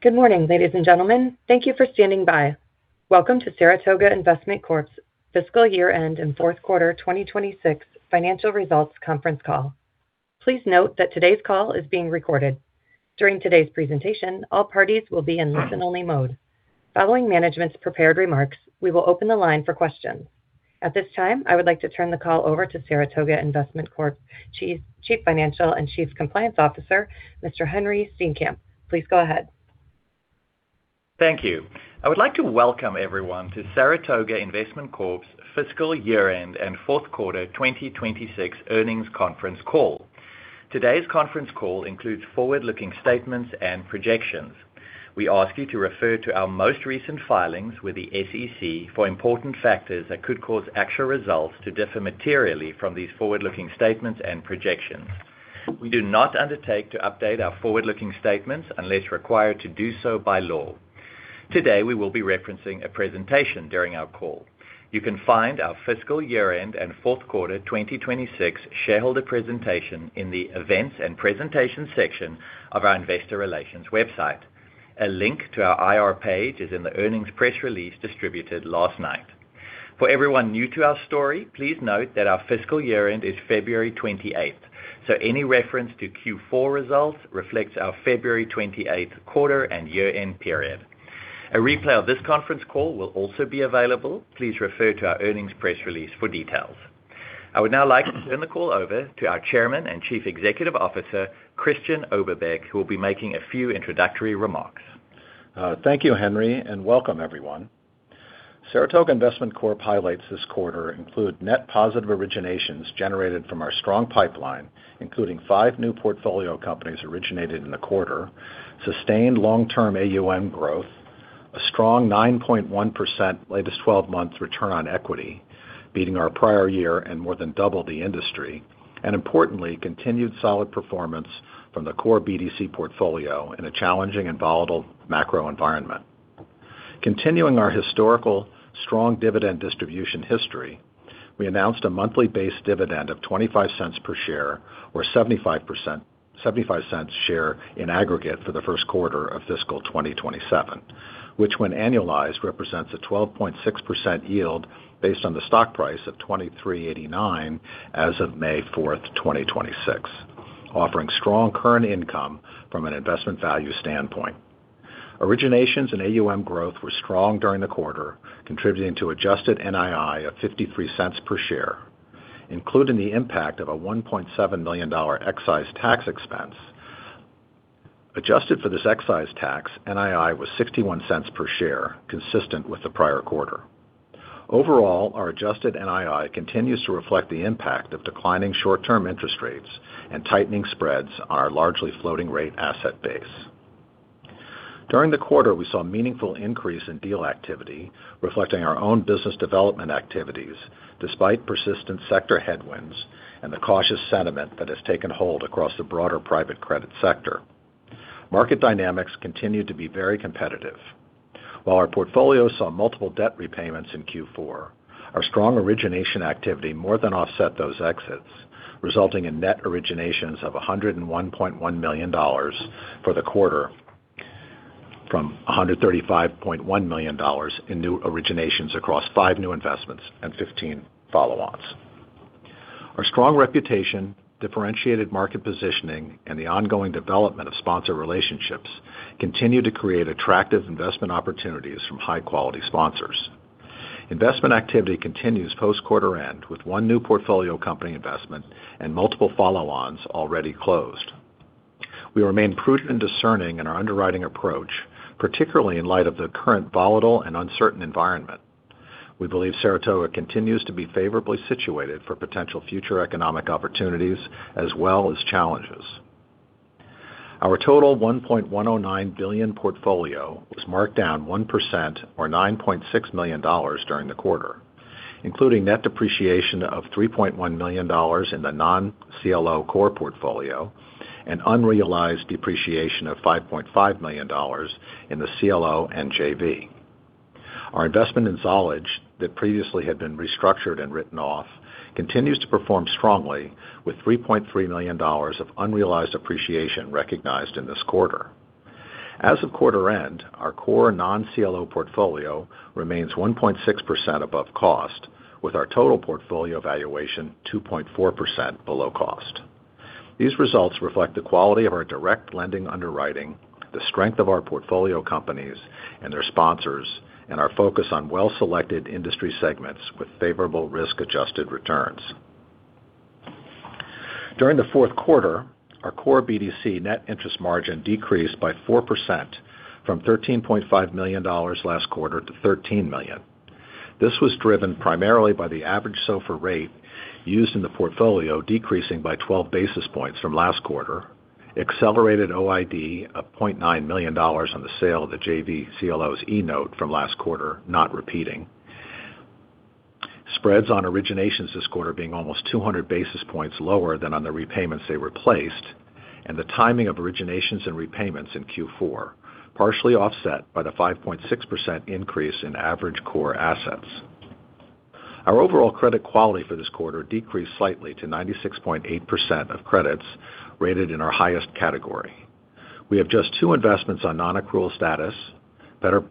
Good morning, ladies and gentlemen. Thank you for standing by. Welcome to Saratoga Investment Corp.'s Fiscal Year-End and Fourth Quarter 2026 Financial Results Conference Call. Please note that today's call is being recorded. During today's presentation, all parties will be in listen-only mode. Following management's prepared remarks, we will open the line for questions. At this time, I would like to turn the call over to Saratoga Investment Corp Chief Financial and Chief Compliance Officer, Mr. Henri Steenkamp. Please go ahead. Thank you. I would like to welcome everyone to Saratoga Investment Corp.'s Fiscal Year-End and Fourth Quarter 2026 earnings conference call. Today's conference call includes forward-looking statements and projections. We ask you to refer to our most recent filings with the SEC for important factors that could cause actual results to differ materially from these forward-looking statements and projections. We do not undertake to update our forward-looking statements unless required to do so by law. Today, we will be referencing a presentation during our call. You can find our fiscal year-end and fourth quarter 2026 shareholder presentation in the Events and Presentation section of our Investor Relations website. A link to our IR page is in the earnings press release distributed last night. For everyone new to our story, please note that our fiscal year-end is February 28th, so any reference to Q4 results reflects our February 28th quarter and year-end period. A replay of this conference call will also be available. Please refer to our earnings press release for details. I would now like to turn the call over to our Chairman and Chief Executive Officer, Christian Oberbeck, who will be making a few introductory remarks. Thank you, Henri, welcome everyone. Saratoga Investment Corp highlights this quarter include net positive originations generated from our strong pipeline, including five new portfolio companies originated in the quarter, sustained long-term AUM growth, a strong 9.1% latest 12 months return on equity, beating our prior year and more than double the industry, and importantly, continued solid performance from the core BDC portfolio in a challenging and volatile macro environment. Continuing our historical strong dividend distribution history, we announced a monthly base dividend of $0.25 per share or $0.75 per share in aggregate for the 1st quarter of fiscal 2027, which when annualized, represents a 12.6% yield based on the stock price of $23.89 as of May 4, 2026, offering strong current income from an investment value standpoint. Originations and AUM growth were strong during the quarter, contributing to adjusted NII of $0.53 per share, including the impact of a $1.7 million excise tax expense. Adjusted for this excise tax, NII was $0.61 per share, consistent with the prior quarter. Overall, our adjusted NII continues to reflect the impact of declining short-term interest rates and tightening spreads on our largely floating rate asset base. During the quarter, we saw a meaningful increase in deal activity, reflecting our own business development activities despite persistent sector headwinds and the cautious sentiment that has taken hold across the broader private credit sector. Market dynamics continued to be very competitive. While our portfolio saw multiple debt repayments in Q4, our strong origination activity more than offset those exits, resulting in net originations of $101.1 million for the quarter from $135.1 million in new originations across five new investments and 15 follow-ons. Our strong reputation, differentiated market positioning, and the ongoing development of sponsor relationships continue to create attractive investment opportunities from high-quality sponsors. Investment activity continues post-quarter end, with one new portfolio company investment and multiple follow-ons already closed. We remain prudent and discerning in our underwriting approach, particularly in light of the current volatile and uncertain environment. We believe Saratoga continues to be favorably situated for potential future economic opportunities as well as challenges. Our total $1.109 billion portfolio was marked down 1% or $9.6 million during the quarter, including net depreciation of $3.1 million in the non-CLO core portfolio and unrealized depreciation of $5.5 million in the CLO and JV. Our investment in Zollege that previously had been restructured and written off continues to perform strongly with $3.3 million of unrealized appreciation recognized in this quarter. As of quarter end, our core non-CLO portfolio remains 1.6% above cost, with our total portfolio valuation 2.4% below cost. These results reflect the quality of our direct lending underwriting, the strength of our portfolio companies and their sponsors, and our focus on well-selected industry segments with favorable risk-adjusted returns. During the fourth quarter, our core BDC net interest margin decreased by 4% from $13.5 million last quarter to $13 million. This was driven primarily by the average SOFR rate used in the portfolio decreasing by 12 basis points from last quarter, accelerated OID of $0.9 million on the sale of the JV CLO's E-note from last quarter, not repeating. Spreads on originations this quarter being almost 200 basis points lower than on the repayments they replaced, and the timing of originations and repayments in Q4, partially offset by the 5.6% increase in average core assets. Our overall credit quality for this quarter decreased slightly to 96.8% of credits rated in our highest category. We have just 2 investments on non-accrual status,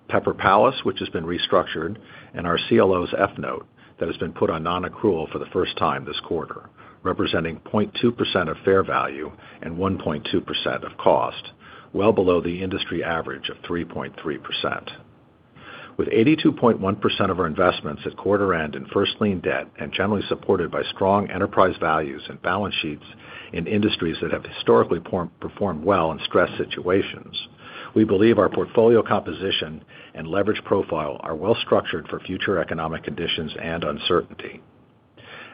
Pepper Palace, which has been restructured, and our CLO's F-note that has been put on non-accrual for the first time this quarter, representing 0.2% of fair value and 1.2% of cost, well below the industry average of 3.3%. With 82.1% of our investments at quarter end in first lien debt and generally supported by strong enterprise values and balance sheets in industries that have historically performed well in stress situations, we believe our portfolio composition and leverage profile are well structured for future economic conditions and uncertainty.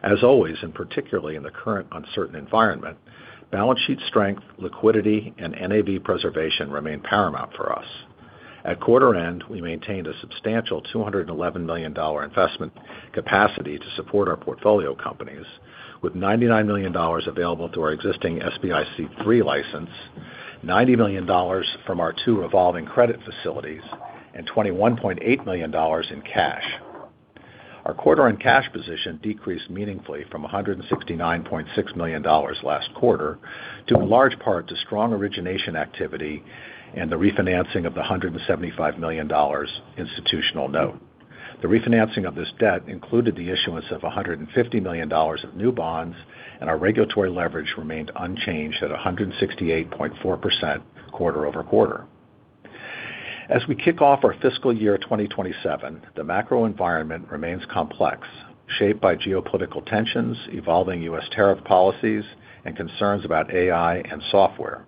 As always, and particularly in the current uncertain environment, balance sheet strength, liquidity, and NAV preservation remain paramount for us. At quarter end, we maintained a substantial $211 million investment capacity to support our portfolio companies with $99 million available to our existing SBIC III license, $90 million from our two revolving credit facilities, and $21.8 million in cash. Our quarter-end cash position decreased meaningfully from $169.6 million last quarter to a large part to strong origination activity and the refinancing of the $175 million institutional note. The refinancing of this debt included the issuance of $150 million of new bonds, and our regulatory leverage remained unchanged at 168.4% quarter-over-quarter. As we kick off our fiscal year 2027, the macro environment remains complex, shaped by geopolitical tensions, evolving U.S. tariff policies, and concerns about AI and software.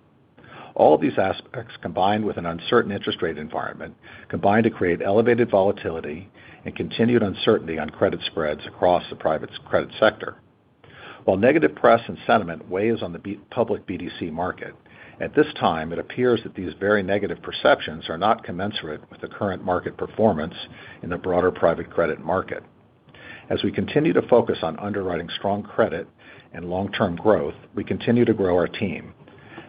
All these aspects combined with an uncertain interest rate environment combine to create elevated volatility and continued uncertainty on credit spreads across the private credit sector. While negative press and sentiment weighs on the public BDC market, at this time, it appears that these very negative perceptions are not commensurate with the current market performance in the broader private credit market. As we continue to focus on underwriting strong credit and long-term growth, we continue to grow our team,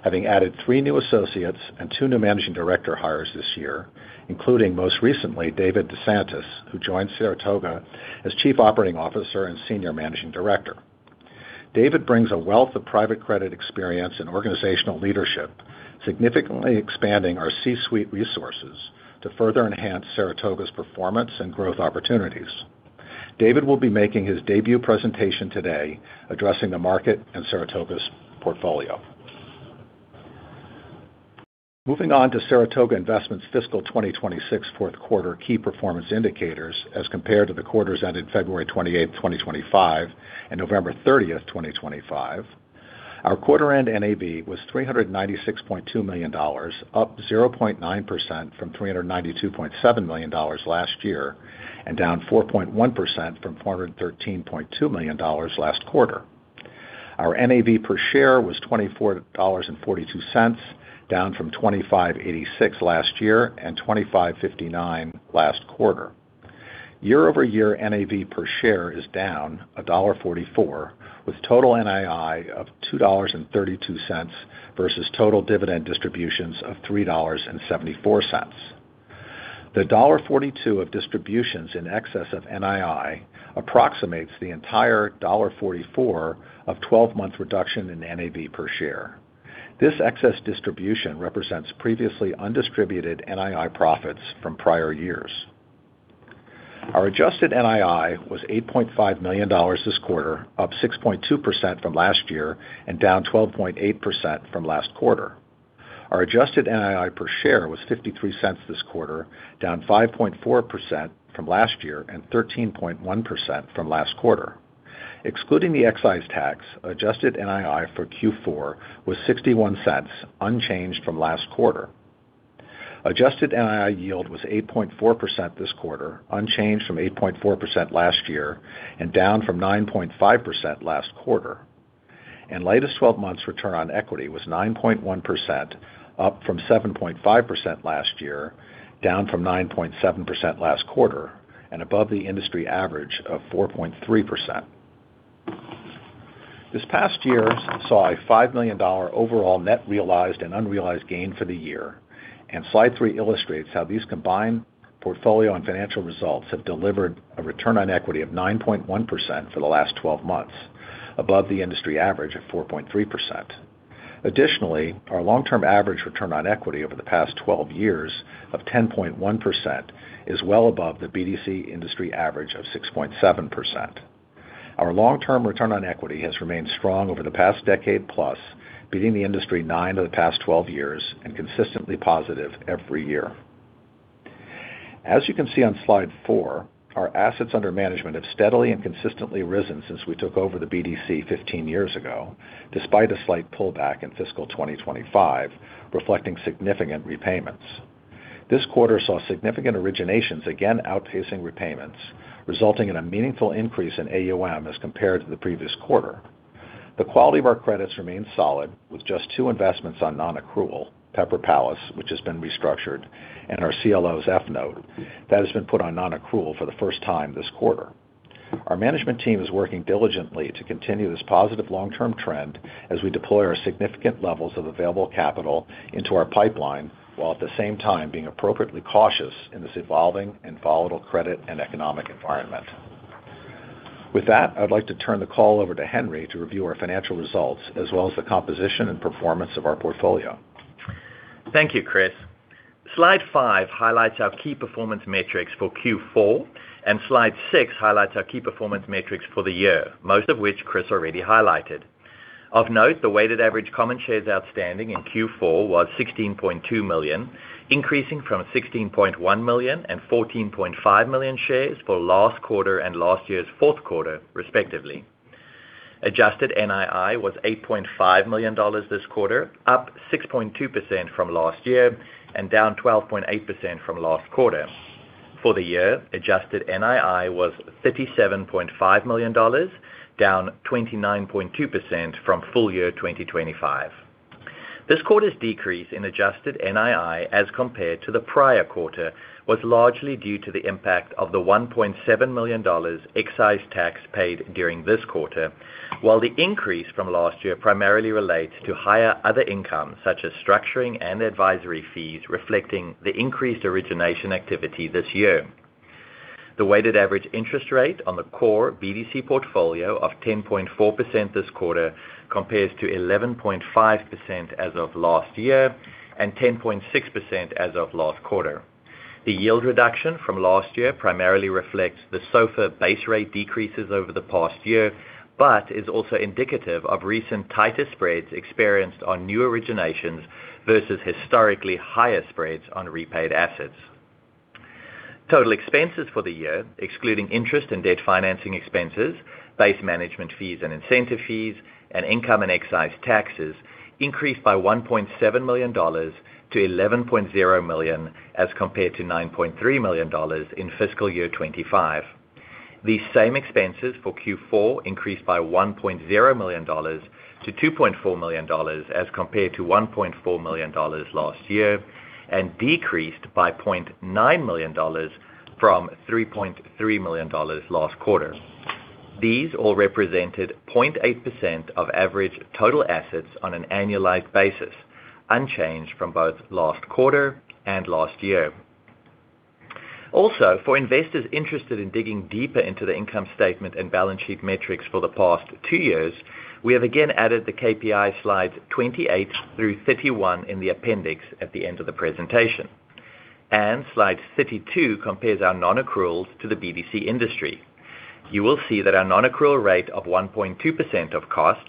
having added three new associates and two new Managing Director hires this year, including most recently David DeSantis, who joined Saratoga as Chief Operating Officer and Senior Managing Director. David brings a wealth of private credit experience in organizational leadership, significantly expanding our C-suite resources to further enhance Saratoga's performance and growth opportunities. David will be making his debut presentation today addressing the market and Saratoga's portfolio. Moving on to Saratoga Investment's fiscal 2026 fourth quarter key performance indicators as compared to the quarters ended February 28, 2025 and November 30th, 2025. Our quarter end NAV was $396.2 million, up 0.9% from $392.7 million last year and down 4.1% from $413.2 million last quarter. Our NAV per share was $24.42, down from $25.86 last year and $25.59 last quarter. Year-over-year NAV per share is down $1.44, with total NII of $2.32 versus total dividend distributions of $3.74. The $1.42 of distributions in excess of NII approximates the entire $1.44 of 12-month reduction in NAV per share. This excess distribution represents previously undistributed NII profits from prior years. Our adjusted NII was $8.5 million this quarter, up 6.2% from last year and down 12.8% from last quarter. Our adjusted NII per share was $0.53 this quarter, down 5.4% from last year and 13.1% from last quarter. Excluding the excise tax, adjusted NII for Q4 was $0.61, unchanged from last quarter. Adjusted NII yield was 8.4% this quarter, unchanged from 8.4% last year and down from 9.5% last quarter. Latest 12 months return on equity was 9.1%, up from 7.5% last year, down from 9.7% last quarter, and above the industry average of 4.3%. This past year saw a $5 million overall net realized and unrealized gain for the year. Slide 3 illustrates how these combined portfolio and financial results have delivered a return on equity of 9.1% for the last 12 months, above the industry average of 4.3%. Additionally, our long-term average return on equity over the past 12 years of 10.1% is well above the BDC industry average of 6.7%. Our long-term return on equity has remained strong over the past decade plus, beating the industry nine of the past 12 years and consistently positive every year. As you can see on Slide four, our assets under management have steadily and consistently risen since we took over the BDC 15 years ago, despite a slight pullback in fiscal 2025, reflecting significant repayments. This quarter saw significant originations again outpacing repayments, resulting in a meaningful increase in AUM as compared to the previous quarter. The quality of our credits remains solid with just two investments on non-accrual, Pepper Palace, which has been restructured, and our CLO's F-note that has been put on non-accrual for the first time this quarter. Our management team is working diligently to continue this positive long-term trend as we deploy our significant levels of available capital into our pipeline, while at the same time being appropriately cautious in this evolving and volatile credit and economic environment. With that, I'd like to turn the call over to Henri to review our financial results, as well as the composition and performance of our portfolio. Thank you, Chris. Slide five highlights our key performance metrics for Q4, and slide six highlights our key performance metrics for the year, most of which Chris already highlighted. Of note, the weighted average common shares outstanding in Q4 was 16.2 million, increasing from 16.1 million and 14.5 million shares for last quarter and last year's fourth quarter, respectively. Adjusted NII was $8.5 million this quarter, up 6.2% from last year and down 12.8% from last quarter. For the year, adjusted NII was $37.5 million, down 29.2% from full year 2025. This quarter's decrease in adjusted NII as compared to the prior quarter was largely due to the impact of the $1.7 million excise tax paid during this quarter, while the increase from last year primarily relates to higher other income, such as structuring and advisory fees, reflecting the increased origination activity this year. The weighted average interest rate on the core BDC portfolio of 10.4% this quarter compares to 11.5% as of last year and 10.6% as of last quarter. The yield reduction from last year primarily reflects the SOFR base rate decreases over the past year, but is also indicative of recent tighter spreads experienced on new originations versus historically higher spreads on repaid assets. Total expenses for the year, excluding interest and debt financing expenses, base management fees and incentive fees, and income and excise taxes, increased by $1.7 million to $11.0 million, as compared to $9.3 million in fiscal year 2025. These same expenses for Q4 increased by $1.0 million to $2.4 million, as compared to $1.4 million last year, and decreased by $0.9 million from $3.3 million last quarter. These all represented 0.8% of average total assets on an annualized basis, unchanged from both last quarter and last year. Also, for investors interested in digging deeper into the income statement and balance sheet metrics for the past two years, we have again added the KPI slides 28 through 31 in the appendix at the end of the presentation. Slide 32 compares our non-accruals to the BDC industry. You will see that our non-accrual rate of 1.2% of cost,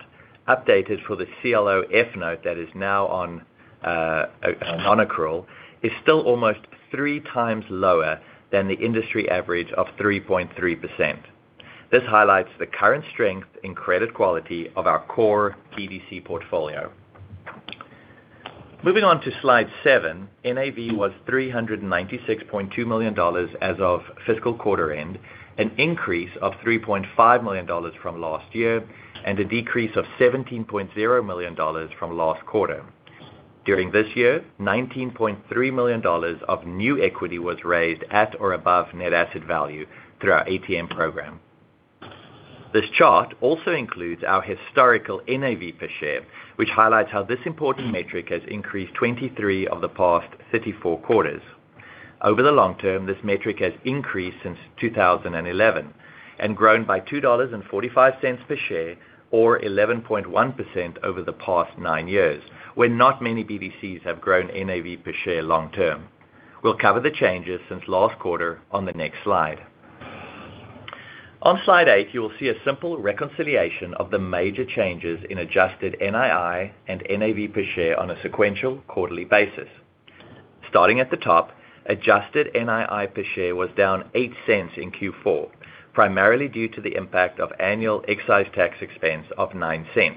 updated for the CLO F-note that is now on non-accrual, is still almost three times lower than the industry average of 3.3%. This highlights the current strength in credit quality of our core BDC portfolio. Moving on to slide seven, NAV was $396.2 million as of fiscal quarter end, an increase of $3.5 million from last year and a decrease of $17.0 million from last quarter. During this year, $19.3 million of new equity was raised at or above net asset value through our ATM program. This chart also includes our historical NAV per share, which highlights how this important metric has increased 23 of the past 34 quarters. Over the long term, this metric has increased since 2011 and grown by $2.45 per share, or 11.1% over the past nine years, when not many BDCs have grown NAV per share long term. We'll cover the changes since last quarter on the next slide. On slide eight, you will see a simple reconciliation of the major changes in adjusted NII and NAV per share on a sequential quarterly basis. Starting at the top, adjusted NII per share was down $0.08 in Q4, primarily due to the impact of annual excise tax expense of $0.09.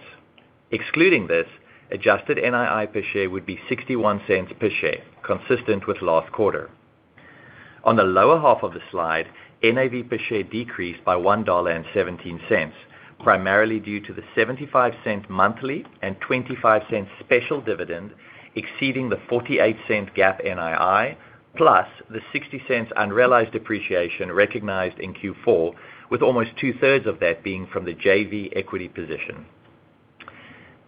Excluding this, adjusted NII per share would be $0.61 per share, consistent with last quarter. On the lower half of the slide, NAV per share decreased by $1.17, primarily due to the $0.75 monthly and $0.25 special dividend exceeding the $0.48 GAAP NII, plus the $0.60 unrealized appreciation recognized in Q4, with almost two-thirds of that being from the JV equity position.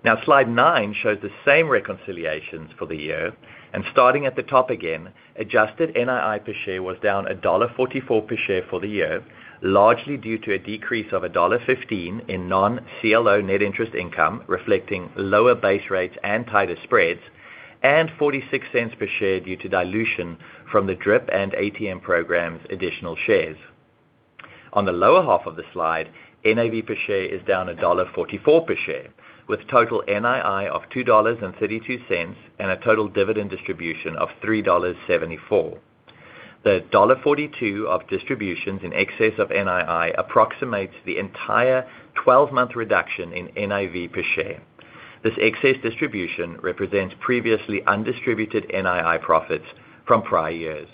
Now, slide nine shows the same reconciliations for the year and starting at the top again, adjusted NII per share was down $1.44 per share for the year, largely due to a decrease of $1.15 in non-CLO net interest income, reflecting lower base rates and tighter spreads, and $0.46 per share due to dilution from the DRIP and ATM program's additional shares. On the lower half of the slide, NAV per share is down $1.44 per share, with total NII of $2.32 and a total dividend distribution of $3.74. The $1.42 of distributions in excess of NII approximates the entire 12-month reduction in NAV per share. This excess distribution represents previously undistributed NII profits from prior years.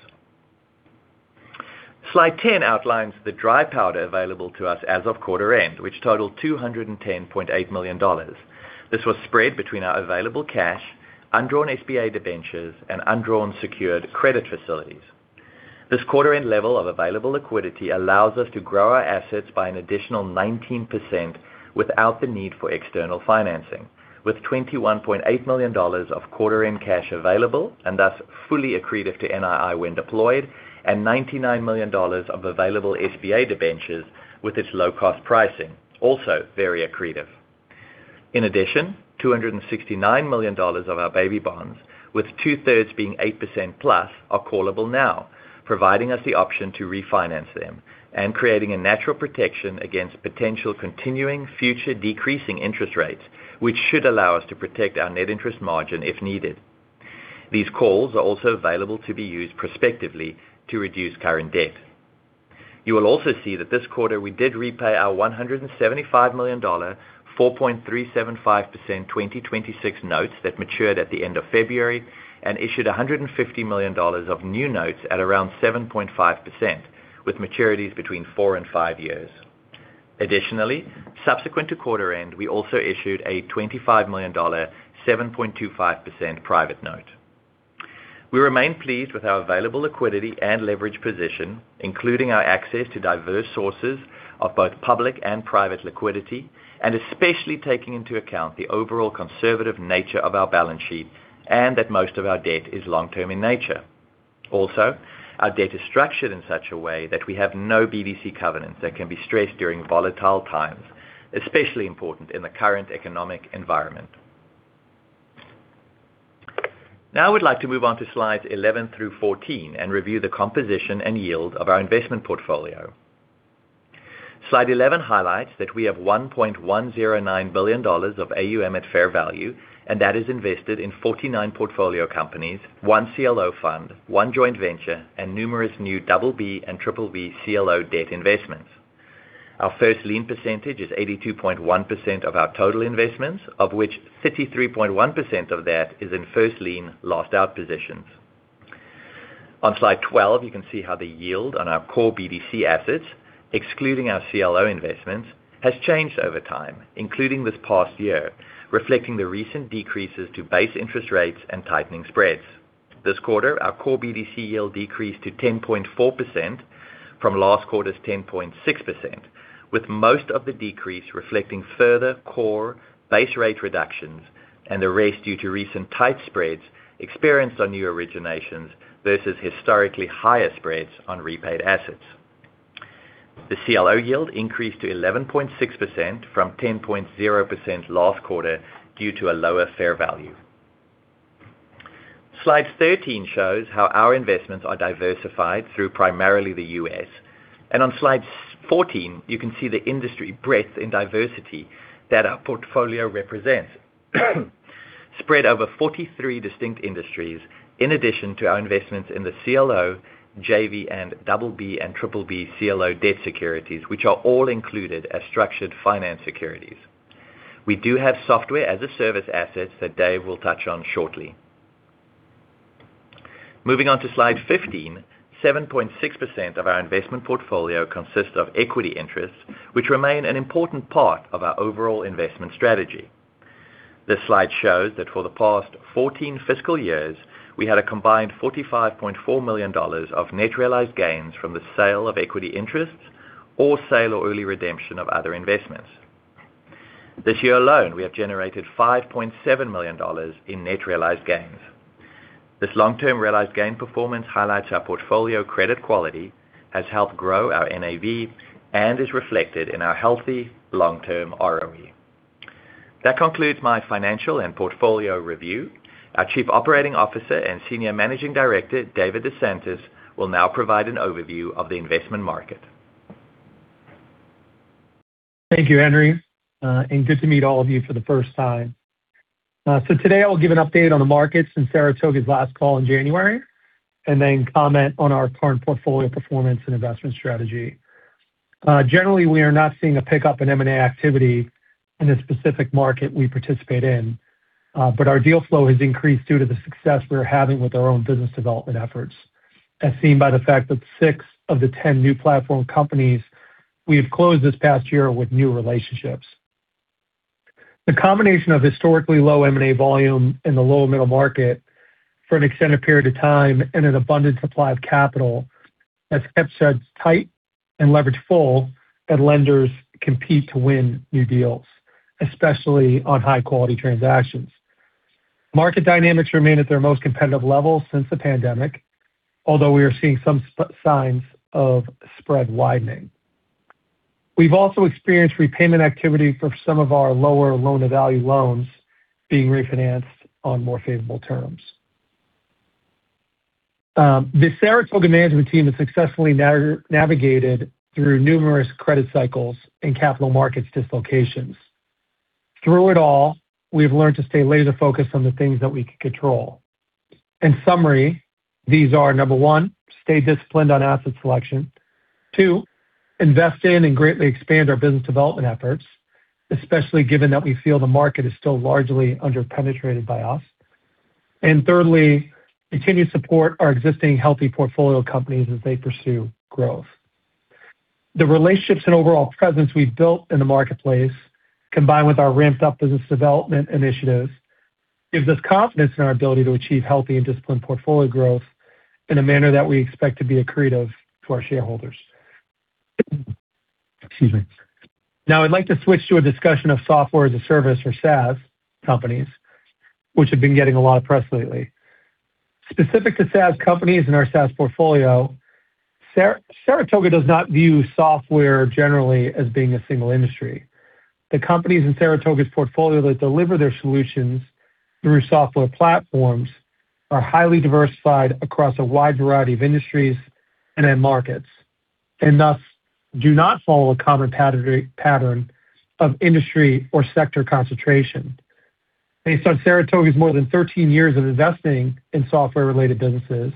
Slide 10 outlines the dry powder available to us as of quarter end, which totaled $210.8 million. This was spread between our available cash, undrawn SBA debentures, and undrawn secured credit facilities. This quarter-end level of available liquidity allows us to grow our assets by an additional 19% without the need for external financing, with $21.8 million of quarter-end cash available, and thus fully accretive to NII when deployed, and $99 million of available SBA debentures with its low cost pricing, also very accretive. In addition, $269 million of our baby bonds, with two-thirds being 8%+, are callable now, providing us the option to refinance them and creating a natural protection against potential continuing future decreasing interest rates, which should allow us to protect our net interest margin if needed. These calls are also available to be used prospectively to reduce current debt. You will also see that this quarter we did repay our $175 million, 4.375% 2026 notes that matured at the end of February and issued $150 million of new notes at around 7.5% with maturities between four and five years. Subsequent to quarter end, we also issued a $25 million, 7.25% private note. We remain pleased with our available liquidity and leverage position, including our access to diverse sources of both public and private liquidity, and especially taking into account the overall conservative nature of our balance sheet and that most of our debt is long-term in nature. Our debt is structured in such a way that we have no BDC covenants that can be stressed during volatile times, especially important in the current economic environment. Now I would like to move on to slides 11 through 14 and review the composition and yield of our investment portfolio. Slide 11 highlights that we have $1.109 billion of AUM at fair value, and that is invested in 49 portfolio companies, one CLO fund, one joint venture, and numerous new BB and BBB CLO debt investments. Our first lien percentage is 82.1% of our total investments, of which 33.1% of that is in first lien last-out positions. On slide 12, you can see how the yield on our core BDC assets, excluding our CLO investments, has changed over time, including this past year, reflecting the recent decreases to base interest rates and tightening spreads. This quarter, our core BDC yield decreased to 10.4% from last quarter's 10.6%, with most of the decrease reflecting further core base rate reductions and the rest due to recent tight spreads experienced on new originations versus historically higher spreads on repaid assets. The CLO yield increased to 11.6% from 10.0% last quarter due to a lower fair value. Slide 13 shows how our investments are diversified through primarily the U.S. On slide 14, you can see the industry breadth and diversity that our portfolio represents. Spread over 43 distinct industries in addition to our investments in the CLO, JV, and BB and BBB CLO debt securities, which are all included as structured finance securities. We do have software-as-a-service assets that Dave will touch on shortly. Moving on to slide 15, 7.6% of our investment portfolio consists of equity interests, which remain an important part of our overall investment strategy. This slide shows that for the past 14 fiscal years, we had a combined $45.4 million of net realized gains from the sale of equity interests or sale or early redemption of other investments. This year alone, we have generated $5.7 million in net realized gains. This long-term realized gain performance highlights our portfolio credit quality has helped grow our NAV and is reflected in our healthy long-term ROE. That concludes my financial and portfolio review. Our Chief Operating Officer and Senior Managing Director, David DeSantis, will now provide an overview of the investment market. Thank you, Henri. Good to meet all of you for the first time. Today I'll give an update on the market since Saratoga's last call in January, and then comment on our current portfolio performance and investment strategy. Generally, we are not seeing a pickup in M&A activity in the specific market we participate in, but our deal flow has increased due to the success we're having with our own business development efforts, as seen by the fact that six of the 10 new platform companies we have closed this past year with new relationships. The combination of historically low M&A volume in the lower middle market for an extended period of time and an abundant supply of capital has kept spreads tight and leverage full that lenders compete to win new deals, especially on high-quality transactions. Market dynamics remain at their most competitive level since the pandemic, although we are seeing some signs of spread widening. We've also experienced repayment activity for some of our lower loan-to-value loans being refinanced on more favorable terms. The Saratoga management team has successfully navigated through numerous credit cycles and capital markets dislocations. Through it all, we've learned to stay laser-focused on the things that we can control. In summary, these are, number one, stay disciplined on asset selection. Two, invest in and greatly expand our business development efforts, especially given that we feel the market is still largely under-penetrated by us. Thirdly, continue to support our existing healthy portfolio companies as they pursue growth. The relationships and overall presence we've built in the marketplace, combined with our ramped-up business development initiatives, gives us confidence in our ability to achieve healthy and disciplined portfolio growth in a manner that we expect to be accretive to our shareholders. Excuse me. Now, I'd like to switch to a discussion of Software as a Service or SaaS companies, which have been getting a lot of press lately. Specific to SaaS companies and our SaaS portfolio, Saratoga does not view software generally as being a single industry. The companies in Saratoga's portfolio that deliver their solutions through software platforms are highly diversified across a wide variety of industries and end markets, and thus do not follow a common pattern of industry or sector concentration. Based on Saratoga's more than 13 years of investing in software-related businesses,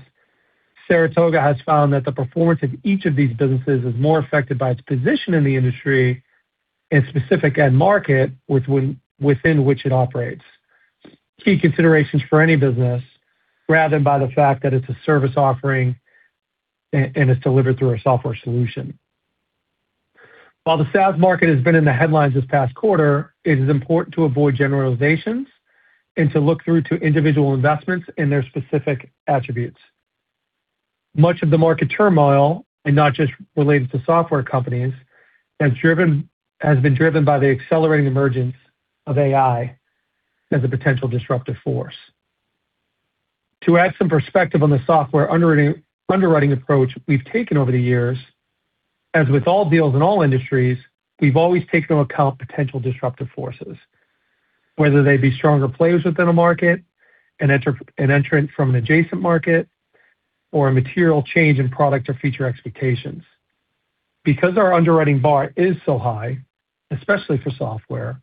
Saratoga has found that the performance of each of these businesses is more affected by its position in the industry and specific end market within which it operates. Key considerations for any business rather than by the fact that it's a service offering and it's delivered through a software solution. While the SaaS market has been in the headlines this past quarter, it is important to avoid generalizations and to look through to individual investments and their specific attributes. Much of the market turmoil, and not just related to software companies, has been driven by the accelerating emergence of AI as a potential disruptive force. To add some perspective on the software underwriting approach we've taken over the years, as with all deals in all industries, we've always taken into account potential disruptive forces, whether they be stronger players within a market, an entrant from an adjacent market, or a material change in product or feature expectations. Because our underwriting bar is so high, especially for software,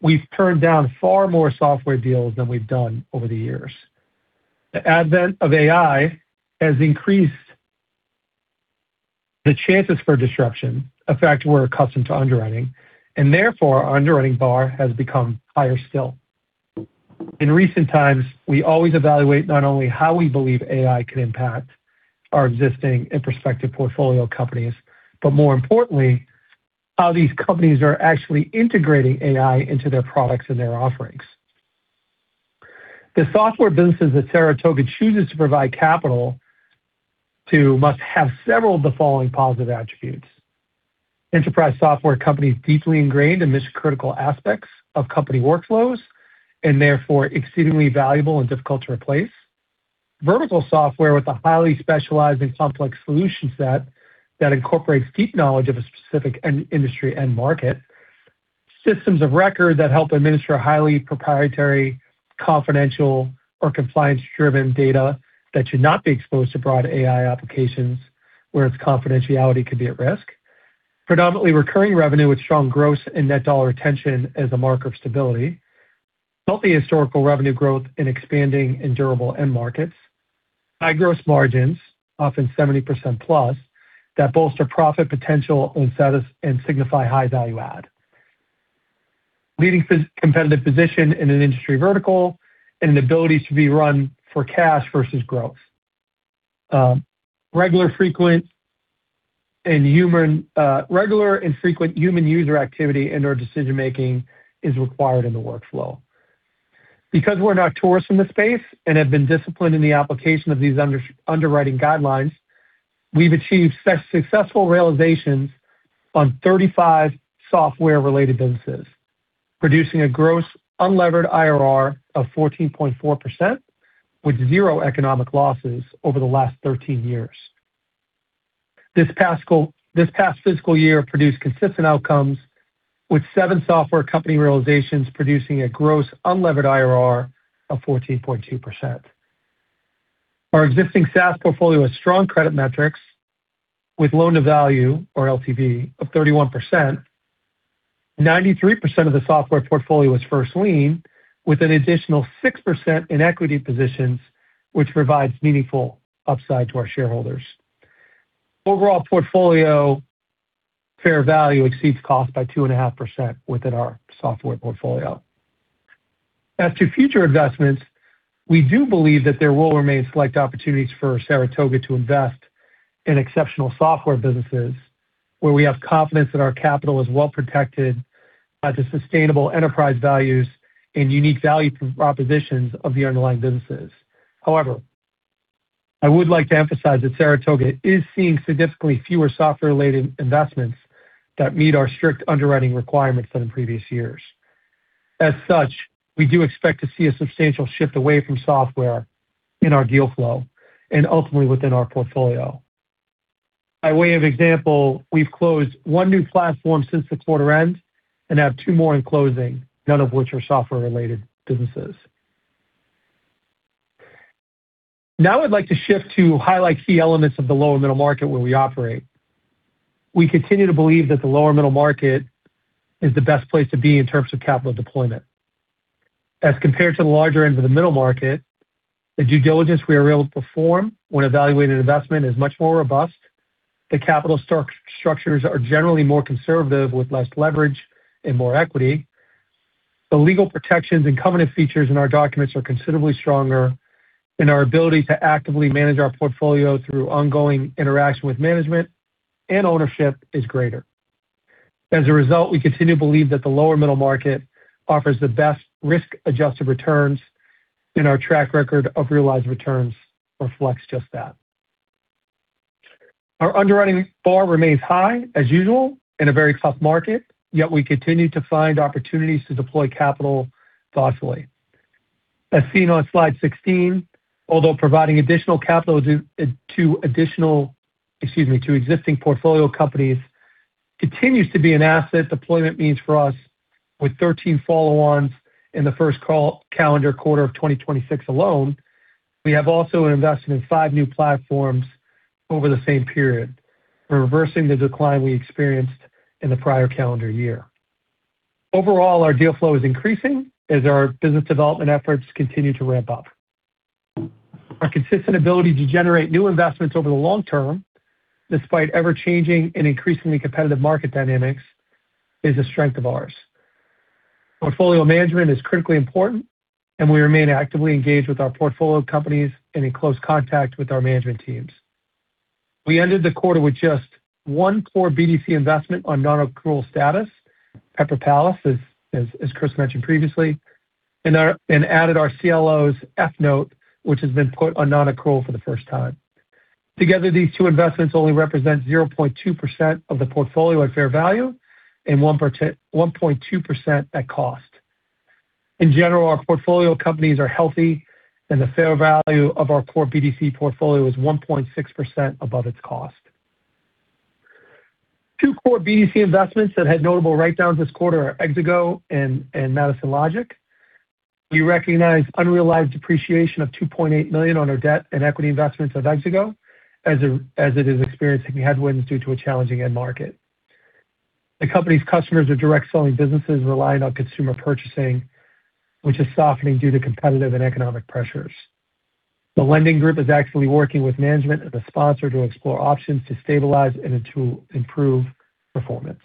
we've turned down far more software deals than we've done over the years. The advent of AI has increased the chances for disruption, a fact we're accustomed to underwriting, and therefore, our underwriting bar has become higher still. In recent times, we always evaluate not only how we believe AI can impact our existing and prospective portfolio companies, but more importantly, how these companies are actually integrating AI into their products and their offerings. The software businesses that Saratoga chooses to provide capital to must have several of the following positive attributes. Enterprise software companies deeply ingrained in mission-critical aspects of company workflows and therefore exceedingly valuable and difficult to replace. Vertical software with a highly specialized and complex solution set that incorporates deep knowledge of a specific industry end market. Systems of record that help administer highly proprietary, confidential, or compliance-driven data that should not be exposed to broad AI applications where its confidentiality could be at risk. Predominantly recurring revenue with strong gross and net dollar retention as a marker of stability. Healthy historical revenue growth in expanding and durable end markets. High gross margins, often 70% plus, that bolster profit potential and signify high value add. Leading competitive position in an industry vertical, and an ability to be run for cash versus growth. Regular and frequent human user activity and/or decision-making is required in the workflow. Because we're not tourists in the space and have been disciplined in the application of these underwriting guidelines, we've achieved successful realizations on 35 software-related businesses, producing a gross unlevered IRR of 14.4% with zero economic losses over the last 13 years. This past fiscal year produced consistent outcomes, with seven software company realizations producing a gross unlevered IRR of 14.2%. Our existing SaaS portfolio has strong credit metrics with loan to value, or LTV, of 31%. 93% of the software portfolio is first lien, with an additional 6% in equity positions, which provides meaningful upside to our shareholders. Overall portfolio fair value exceeds cost by 2.5% within our software portfolio. As to future investments, we do believe that there will remain select opportunities for Saratoga to invest in exceptional software businesses where we have confidence that our capital is well protected by the sustainable enterprise values and unique value propositions of the underlying businesses. However, I would like to emphasize that Saratoga is seeing significantly fewer software-related investments that meet our strict underwriting requirements than in previous years. As such, we do expect to see a substantial shift away from software in our deal flow and ultimately within our portfolio. By way of example, we've closed one new platform since the quarter end and have two more in closing, none of which are software-related businesses. Now I'd like to shift to highlight key elements of the lower middle market where we operate. We continue to believe that the lower middle market is the best place to be in terms of capital deployment. As compared to the larger end of the middle market, the due diligence we are able to perform when evaluating an investment is much more robust. The capital structures are generally more conservative with less leverage and more equity. The legal protections and covenant features in our documents are considerably stronger, and our ability to actively manage our portfolio through ongoing interaction with management and ownership is greater. As a result, we continue to believe that the lower middle market offers the best risk-adjusted returns, and our track record of realized returns reflects just that. Our underwriting bar remains high as usual in a very tough market, yet we continue to find opportunities to deploy capital thoughtfully. As seen on slide 16, although providing additional capital to existing portfolio companies continues to be an asset deployment means for us with 13 follow-ons in the first calendar quarter of 2026 alone, we have also invested in five new platforms over the same period. We're reversing the decline we experienced in the prior calendar year. Overall, our deal flow is increasing as our business development efforts continue to ramp up. Our consistent ability to generate new investments over the long term, despite ever-changing and increasingly competitive market dynamics, is a strength of ours. Portfolio management is critically important, and we remain actively engaged with our portfolio companies and in close contact with our management teams. We ended the quarter with just one core BDC investment on non-accrual status, Pepper Palace, as Chris mentioned previously, and added our CLOs F-note, which has been put on non-accrual for the first time. Together, these two investments only represent 0.2% of the portfolio at fair value and 1.2% at cost. In general, our portfolio companies are healthy and the fair value of our core BDC portfolio is 1.6% above its cost. Two core BDC investments that had notable write-downs this quarter are Exago and Madison Logic. We recognize unrealized depreciation of $2.8 million on our debt and equity investments at Exago as it is experiencing headwinds due to a challenging end market. The company's customers are direct selling businesses relying on consumer purchasing, which is softening due to competitive and economic pressures. The lending group is actively working with management as a sponsor to explore options to stabilize and to improve performance.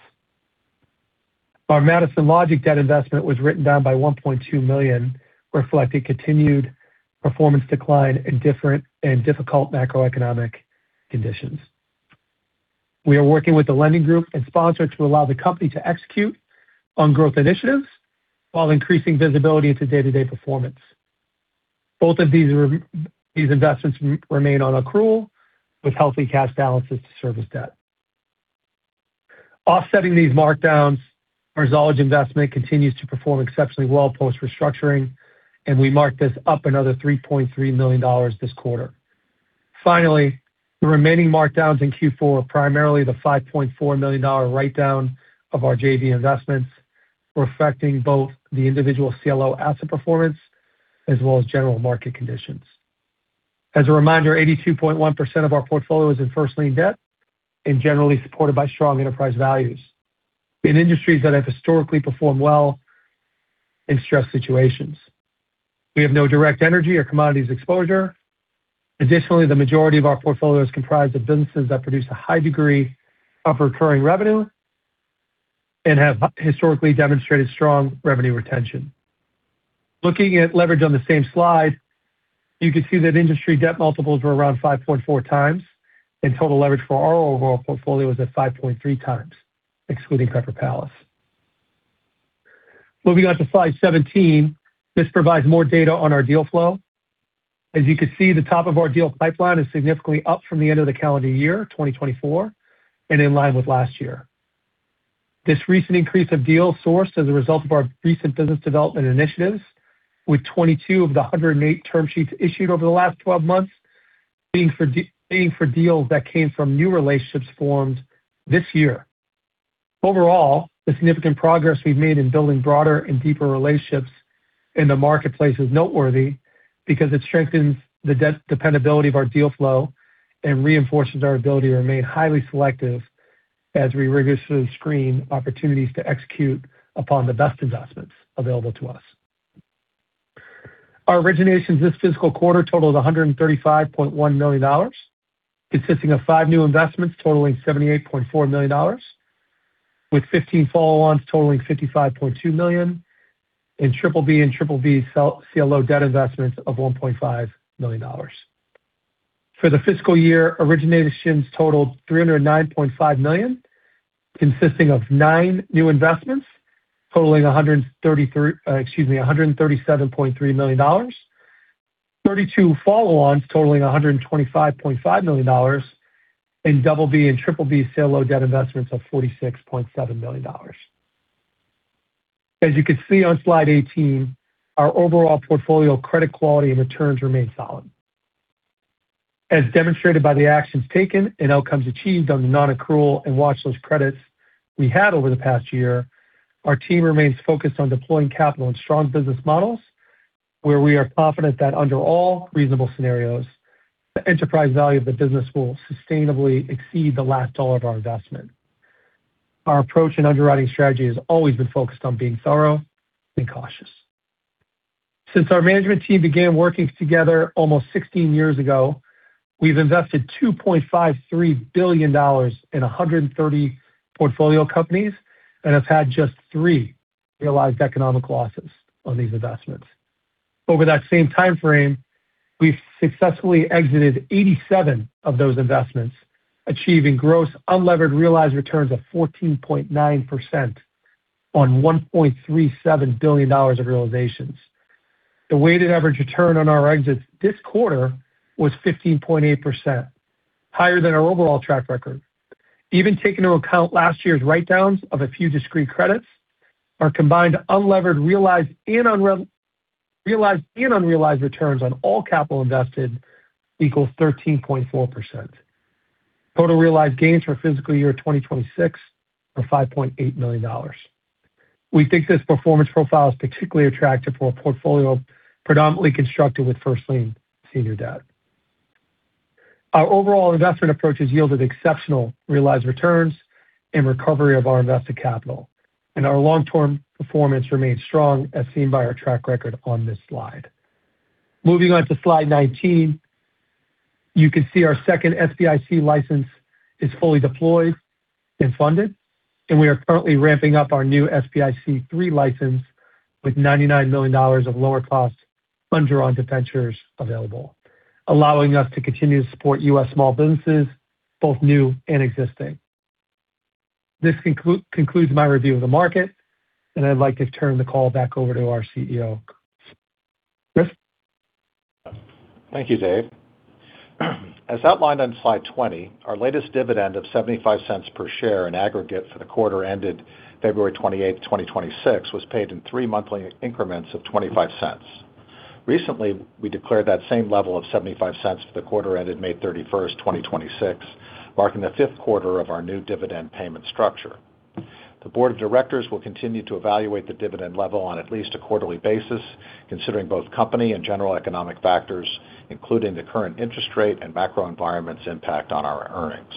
Our Madison Logic debt investment was written down by $1.2 million, reflecting continued performance decline in different and difficult macroeconomic conditions. We are working with the lending group and sponsor to allow the company to execute on growth initiatives while increasing visibility into day-to-day performance. Both of these investments remain on accrual with healthy cash balances to service debt. Offsetting these markdowns, our Zollege investment continues to perform exceptionally well post-restructuring, and we marked this up another $3.3 million this quarter. Finally, the remaining markdowns in Q4 are primarily the $5.4 million write-down of our JV investments, reflecting both the individual CLO asset performance as well as general market conditions. As a reminder, 82.1% of our portfolio is in first lien debt and generally supported by strong enterprise values in industries that have historically performed well in stress situations. We have no direct energy or commodities exposure. Additionally, the majority of our portfolio is comprised of businesses that produce a high degree of recurring revenue and have historically demonstrated strong revenue retention. Looking at leverage on the same slide, you can see that industry debt multiples were around 5.4x, and total leverage for our overall portfolio was at 5.3x, excluding Pepper Palace. Moving on to slide 17, this provides more data on our deal flow. As you can see, the top of our deal pipeline is significantly up from the end of the calendar year, 2024, and in line with last year. This recent increase of deals sourced as a result of our recent business development initiatives, with 22 of the 108 term sheets issued over the last 12 months being for deals that came from new relationships formed this year. Overall, the significant progress we've made in building broader and deeper relationships in the marketplace is noteworthy because it strengthens the dependability of our deal flow and reinforces our ability to remain highly selective as we rigorously screen opportunities to execute upon the best investments available to us. Our originations this fiscal quarter totaled $135.1 million, consisting of five new investments totaling $78.4 million, with 15 follow-ons totaling $55.2 million, and BBB and BBB CLO debt investments of $1.5 million. For the fiscal year, originations totaled $309.5 million, consisting of nine new investments totaling $137.3 million, 32 follow-ons totaling $125.5 million, and BB and BBB CLO debt investments of $46.7 million. As you can see on slide 18, our overall portfolio credit quality and returns remain solid. As demonstrated by the actions taken and outcomes achieved on the non-accrual and watch list credits we had over the past year, our team remains focused on deploying capital and strong business models, where we are confident that under all reasonable scenarios, the enterprise value of the business will sustainably exceed the last dollar of our investment. Our approach and underwriting strategy has always been focused on being thorough and cautious. Since our management team began working together almost 16 years ago, we've invested $2.53 billion in 130 portfolio companies and have had just three realized economic losses on these investments. Over that same time frame, we've successfully exited 87 of those investments, achieving gross unlevered realized returns of 14.9% on $1.37 billion of realizations. The weighted average return on our exits this quarter was 15.8%, higher than our overall track record. Taking into account last year's write-downs of a few discrete credits, our combined unlevered realized and unrealized returns on all capital invested equals 13.4%. Total realized gains for fiscal year 2026 are $5.8 million. We think this performance profile is particularly attractive for a portfolio predominantly constructed with first lien senior debt. Our overall investment approach has yielded exceptional realized returns and recovery of our invested capital, and our long-term performance remains strong, as seen by our track record on this slide. Moving on to slide 19, you can see our second SBIC license is fully deployed and funded, and we are currently ramping up our new SBIC III license with $99 million of lower cost undrawn debentures available, allowing us to continue to support U.S. small businesses, both new and existing. This concludes my review of the market, and I'd like to turn the call back over to our CEO. Chris? Thank you, Dave. As outlined on slide 20, our latest dividend of $0.75 per share in aggregate for the quarter ended February 28, 2026, was paid in three monthly increments of $0.25. Recently, we declared that same level of $0.75 for the quarter ended May 31, 2026, marking the fifth quarter of our new dividend payment structure. The board of directors will continue to evaluate the dividend level on at least a quarterly basis, considering both company and general economic factors, including the current interest rate and macro environment's impact on our earnings.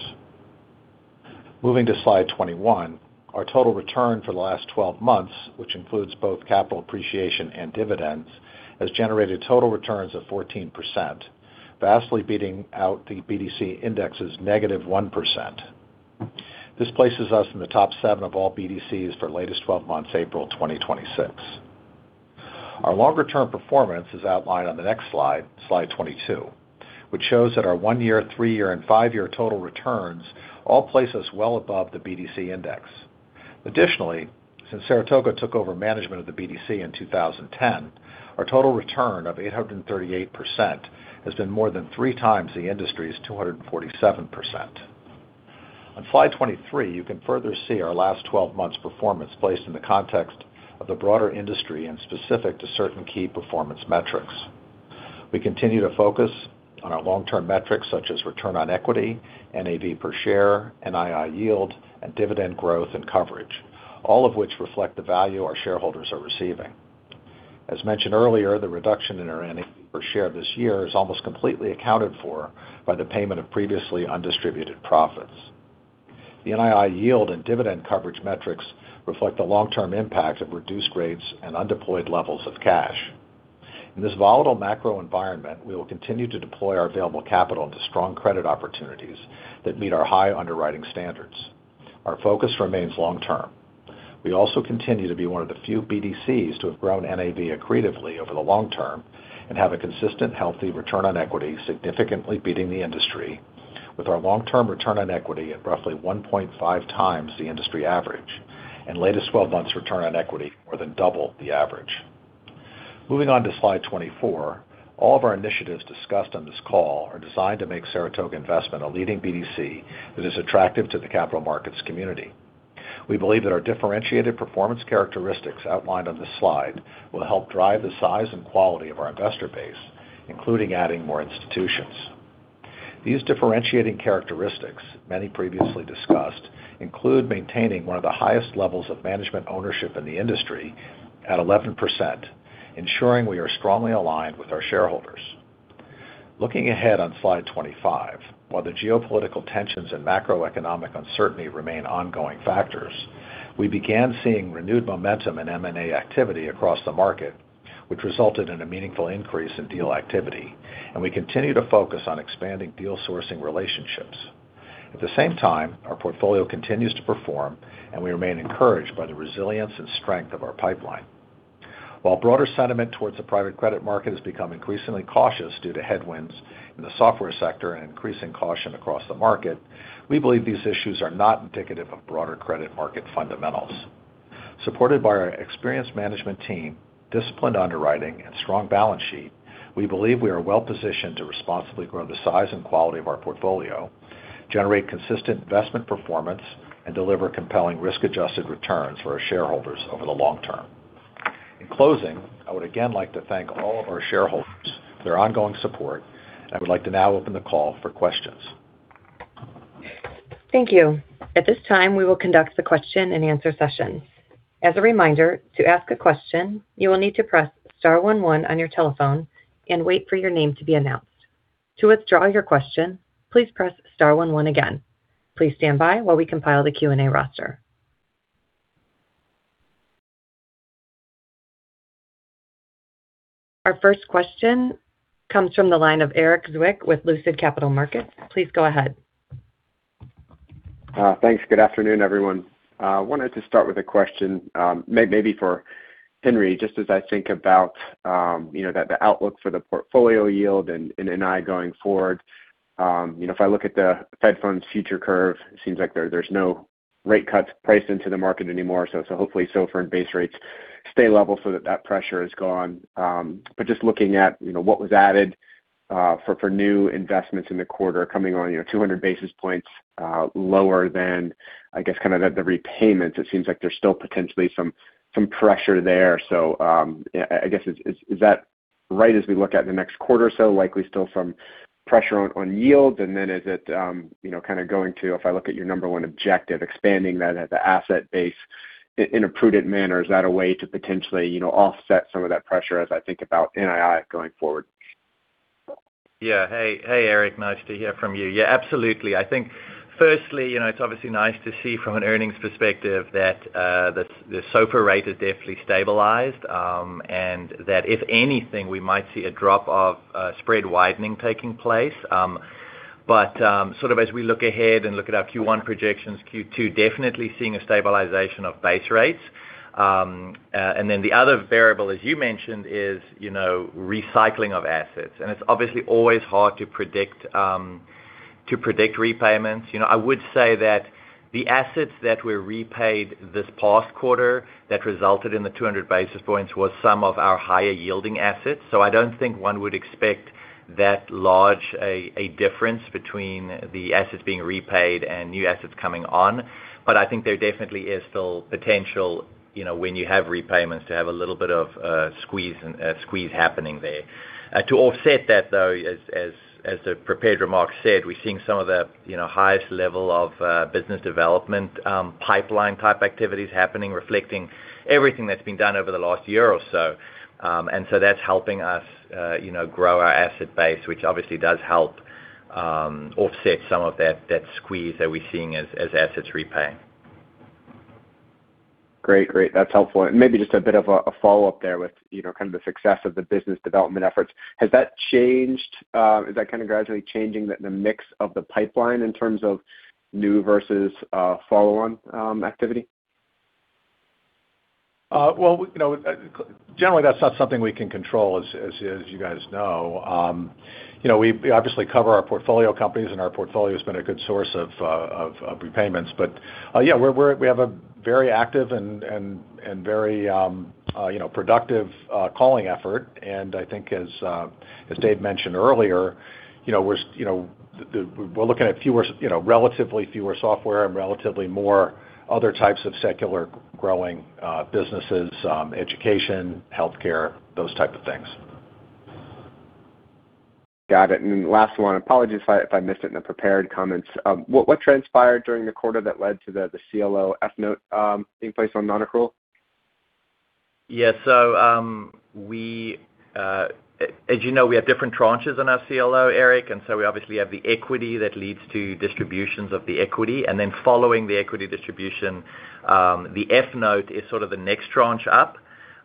Moving to slide 21, our total return for the last 12 months, which includes both capital appreciation and dividends, has generated total returns of 14%, vastly beating out the BDC index's negative 1%. This places us in the top seven of all BDCs for latest 12 months, April 2026. Our longer-term performance is outlined on the next slide 22, which shows that our one-year, three-year, and five-year total returns all place us well above the BDC index. Additionally, since Saratoga took over management of the BDC in 2010, our total return of 838% has been more than 3 times the industry's 247%. On slide 23, you can further see our last 12 months' performance placed in the context of the broader industry and specific to certain key performance metrics. We continue to focus on our long-term metrics such as return on equity, NAV per share, NII yield, and dividend growth and coverage, all of which reflect the value our shareholders are receiving. As mentioned earlier, the reduction in our NAV per share this year is almost completely accounted for by the payment of previously undistributed profits. The NII yield and dividend coverage metrics reflect the long-term impact of reduced rates and undeployed levels of cash. In this volatile macro environment, we will continue to deploy our available capital into strong credit opportunities that meet our high underwriting standards. Our focus remains long term. We also continue to be one of the few BDCs to have grown NAV accretively over the long term and have a consistent healthy return on equity, significantly beating the industry with our long-term return on equity at roughly 1.5 times the industry average, and latest 12 months return on equity more than double the average. Moving on to slide 24, all of our initiatives discussed on this call are designed to make Saratoga Investment a leading BDC that is attractive to the capital markets community. We believe that our differentiated performance characteristics outlined on this slide will help drive the size and quality of our investor base, including adding more institutions. These differentiating characteristics, many previously discussed, include maintaining one of the highest levels of management ownership in the industry at 11%, ensuring we are strongly aligned with our shareholders. Looking ahead on slide 25, while the geopolitical tensions and macroeconomic uncertainty remain ongoing factors, we began seeing renewed momentum in M&A activity across the market, which resulted in a meaningful increase in deal activity. We continue to focus on expanding deal sourcing relationships. At the same time, our portfolio continues to perform. We remain encouraged by the resilience and strength of our pipeline. While broader sentiment towards the private credit market has become increasingly cautious due to headwinds in the software sector and increasing caution across the market, we believe these issues are not indicative of broader credit market fundamentals. Supported by our experienced management team, disciplined underwriting, and strong balance sheet, we believe we are well-positioned to responsibly grow the size and quality of our portfolio, generate consistent investment performance, and deliver compelling risk-adjusted returns for our shareholders over the long term. In closing, I would again like to thank all of our shareholders for their ongoing support, and I would like to now open the call for questions. Thank you. At this time, we will conduct the question-and-answer session. As a reminder, to ask a question, you will need to press star one one on your telephone and wait for your name to be announced. To withdraw your question, please press star one one again. Please stand by while we compile the Q&A roster. Our first question comes from the line of Erik Zwick with Lucid Capital Markets. Please go ahead. Thanks. Good afternoon, everyone. Wanted to start with a question, maybe for Henri. Just as I think about, you know, the outlook for the portfolio yield and NII going forward, you know, if I look at the Fed funds future curve, it seems like there's no rate cuts priced into the market anymore, so hopefully SOFR base rates. Stay level so that that pressure is gone. Just looking at, you know, what was added for new investments in the quarter coming on, you know, 200 basis points lower than, I guess, kinda the repayments. It seems like there's still potentially some pressure there. I guess is that right as we look at the next quarter or so, likely still some pressure on yields? Is it, you know, kinda going to, if I look at your number one objective, expanding that at the asset base in a prudent manner, is that a way to potentially, you know, offset some of that pressure as I think about NII going forward? Yeah. Hey, hey, Erik. Nice to hear from you. Yeah, absolutely. I think firstly, you know, it's obviously nice to see from an earnings perspective that the SOFR rate has definitely stabilized, and that if anything, we might see a drop of spread widening taking place. But sort of as we look ahead and look at our Q1 projections, Q2 definitely seeing a stabilization of base rates. Then the other variable, as you mentioned is, you know, recycling of assets. It's obviously always hard to predict to predict repayments. You know, I would say that the assets that were repaid this past quarter that resulted in the 200 basis points was some of our higher yielding assets. I don't think one would expect that large a difference between the assets being repaid and new assets coming on. I think there definitely is still potential, you know, when you have repayments to have a little bit of squeeze happening there. To offset that, though, as the prepared remarks said, we're seeing some of the, you know, highest level of business development, pipeline-type activities happening, reflecting everything that's been done over the last year or so. And so that's helping us, you know, grow our asset base, which obviously does help offset some of that squeeze that we're seeing as assets repay. Great. That's helpful. Maybe just a bit of a follow-up there with, you know, kind of the success of the business development efforts. Has that changed, is that kinda gradually changing the mix of the pipeline in terms of new versus, follow-on, activity? Well, you know, generally, that's not something we can control, as you guys know. You know, we obviously cover our portfolio companies, and our portfolio has been a good source of repayments. Yeah, we have a very active and very, you know, productive calling effort. I think as Dave mentioned earlier, you know, we're looking at relatively fewer software and relatively more other types of secular growing businesses, education, healthcare, those type of things. Got it. Last one. Apologies if I missed it in the prepared comments. What transpired during the quarter that led to the CLO F-note being placed on non-accrual? As you know, we have different tranches in our CLO, Erik, we obviously have the equity that leads to distributions of the equity. Following the equity distribution, the F-note is sort of the next tranche up.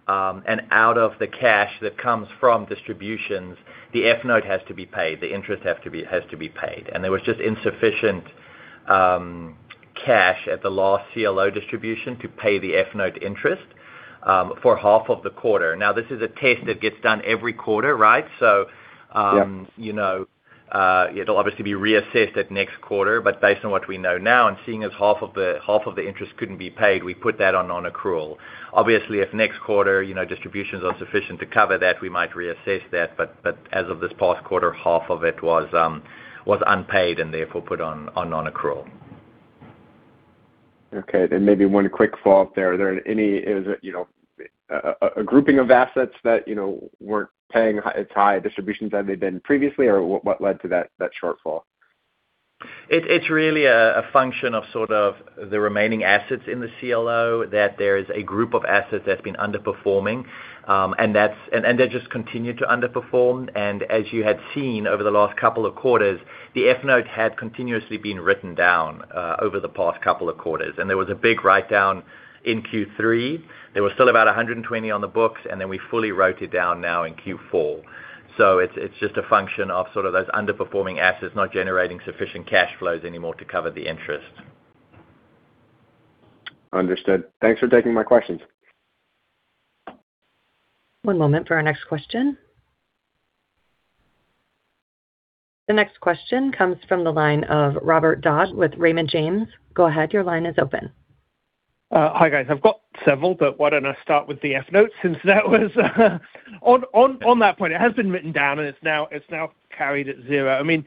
Out of the cash that comes from distributions, the F-note has to be paid, the interest has to be paid. There was just insufficient cash at the last CLO distribution to pay the F-note interest for half of the quarter. This is a test that gets done every quarter, right? Yeah You know, it'll obviously be reassessed at next quarter. Based on what we know now and seeing as half of the interest couldn't be paid, we put that on non-accrual. Obviously, if next quarter, you know, distributions are sufficient to cover that, we might reassess that. As of this past quarter, half of it was unpaid and therefore put on non-accrual. Okay. maybe one quick follow-up there. Is it, you know, a grouping of assets that, you know, weren't paying as high distributions as they've been previously? what led to that shortfall? It's really a function of sort of the remaining assets in the CLO, that there is a group of assets that's been underperforming, and they just continued to underperform. As you had seen over the last couple of quarters, the F-note had continuously been written down over the past couple of quarters. There was a big write-down in Q3. There was still about $120 on the books, and then we fully wrote it down now in Q4. It's just a function of sort of those underperforming assets not generating sufficient cash flows anymore to cover the interest. Understood. Thanks for taking my questions. One moment for our next question. The next question comes from the line of Robert Dodd with Raymond James. Hi, guys. I've got several, but why don't I start with the F-note since that was on that point, it has been written down, and it's now carried at zero. I mean,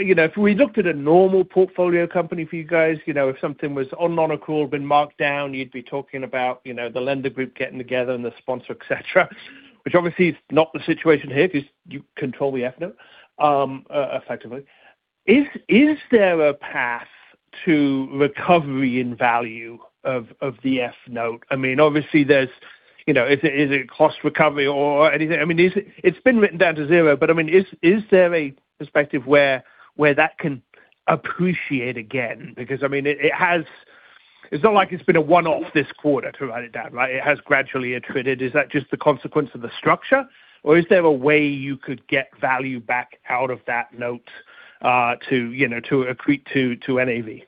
you know, if we looked at a normal portfolio company for you guys, you know, if something was on non-accrual, been marked down, you'd be talking about, you know, the lender group getting together and the sponsor, et cetera which obviously is not the situation here 'cause you control the F-note effectively. Is there a path to recovery in value of the F-note? I mean, obviously there's, you know. Is it cost recovery or anything? I mean, it's been written down to zero, but, I mean, is there a perspective where that can appreciate again? I mean, it has It's not like it's been a one-off this quarter to write it down, right? It has gradually attrited. Is that just the consequence of the structure, or is there a way you could get value back out of that note, to, you know, to accrete to NAV?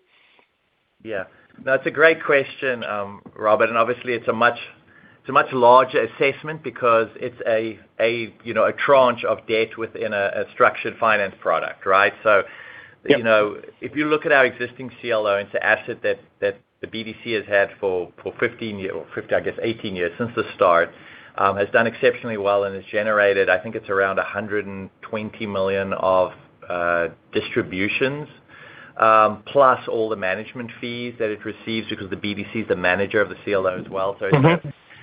Yeah. That's a great question, Robert, and obviously it's a much, it's a much larger assessment because it's a, you know, a tranche of debt within a structured finance product, right? You know, if you look at our existing CLO, it's a asset that the BDC has had for 15 years, or 15, I guess 18 years, since the start, has done exceptionally well and has generated, I think it's around $120 million of distributions, plus all the management fees that it receives because the BDC is the manager of the CLO as well.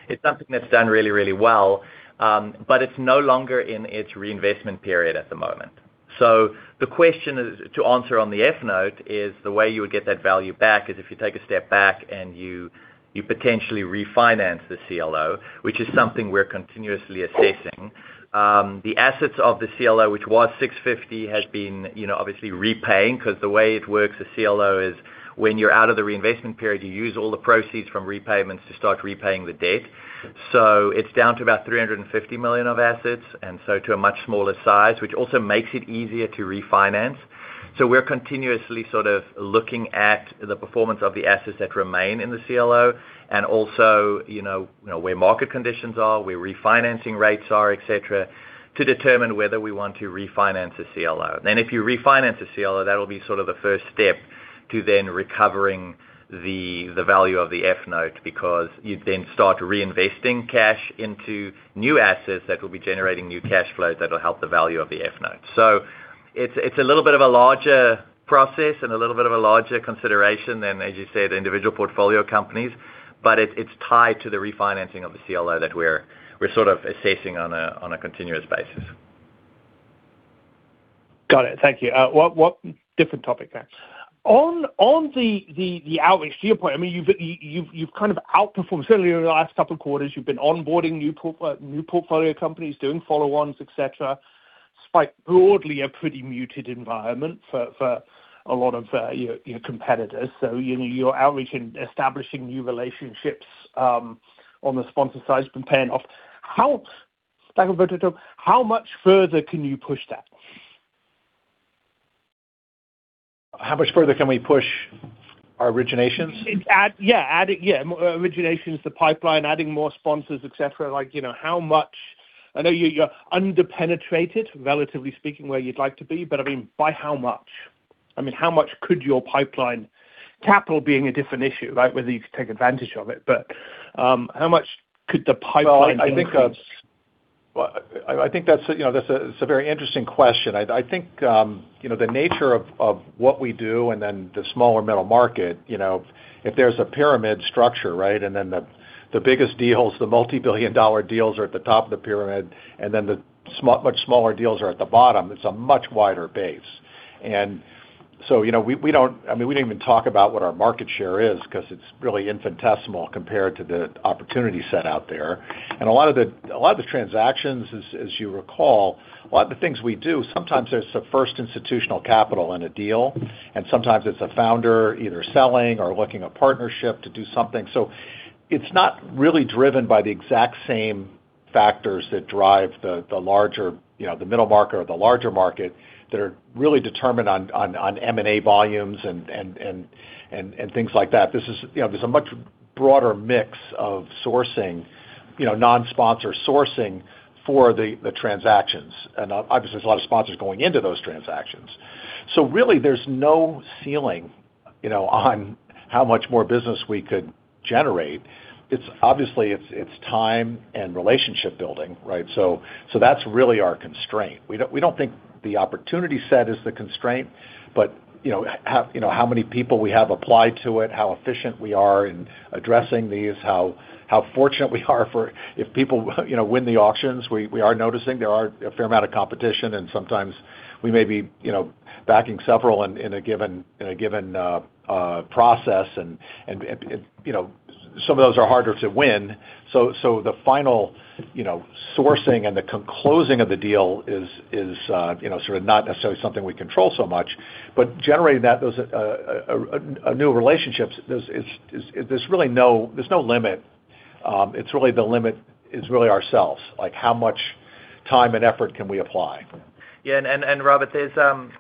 It's something that's done really, really well. But it's no longer in its reinvestment period at the moment. The question is to answer on the F-note is the way you would get that value back is if you take a step back and you potentially refinance the CLO, which is something we're continuously assessing. The assets of the CLO, which was $650, has been, you know, obviously repaying, 'cause the way it works, the CLO is when you're out of the reinvestment period, you use all the proceeds from repayments to start repaying the debt. It's down to about $350 million of assets, to a much smaller size, which also makes it easier to refinance. We're continuously sort of looking at the performance of the assets that remain in the CLO and also, you know, where market conditions are, where refinancing rates are, et cetera, to determine whether we want to refinance a CLO. If you refinance a CLO, that'll be sort of the first step to then recovering the value of the F note because you then start reinvesting cash into new assets that will be generating new cash flows that will help the value of the F note. It's, it's a little bit of a larger process and a little bit of a larger consideration than, as you said, individual portfolio companies, but it's tied to the refinancing of the CLO that we're sort of assessing on a, on a continuous basis. Got it. Thank you. What, what different topic now. On the outreach to your point, I mean, you've kind of outperformed certainly in the last couple quarters. You've been onboarding new portfolio companies, doing follow-ons, et cetera, despite broadly a pretty muted environment for a lot of your competitors. You know, your outreach and establishing new relationships on the sponsor side has been paying off. How, back over to you, how much further can you push that? How much further can we push our originations? Yeah, adding originations, the pipeline, adding more sponsors, et cetera. Like, you know, how much I know you're under-penetrated, relatively speaking, where you'd like to be, but I mean, by how much? I mean, how much could your pipeline, capital being a different issue, right? Whether you could take advantage of it. How much could the pipeline increase? Well, I think that's a, you know, it's a very interesting question. I think, you know, the nature of what we do and then the smaller middle market, you know, if there's a pyramid structure, right? Then the biggest deals, the multi-billion dollar deals are at the top of the pyramid, and then the much smaller deals are at the bottom, it's a much wider base. So, you know, we don't I mean, we didn't even talk about what our market share is 'cause it's really infinitesimal compared to the opportunity set out there. A lot of the, a lot of the transactions as you recall, a lot of the things we do, sometimes there's the first institutional capital in a deal, and sometimes it's a founder either selling or looking a partnership to do something. It's not really driven by the exact same factors that drive the larger, you know, the middle market or the larger market that are really determined on, on M&A volumes and, and things like that. This is, you know, there's a much broader mix of sourcing, you know, non-sponsor sourcing for the transactions. Obviously, there's a lot of sponsors going into those transactions. Really, there's no ceiling, you know, on how much more business we could generate. It's obviously, it's time and relationship building, right? That's really our constraint. We don't think the opportunity set is the constraint, but, you know, how, you know, how many people we have applied to it, how efficient we are in addressing these, how fortunate we are for if people, you know, win the auctions. We are noticing there are a fair amount of competition, and sometimes we may be, you know, backing several in a given process. You know, some of those are harder to win. The final, you know, sourcing and the closing of the deal is, you know, sort of not necessarily something we control so much. Generating that, those, a new relationships, there's, it's, is, there's really no there's no limit. It's really the limit is really ourselves, like how much time and effort can we apply. Yeah. Robert, there's,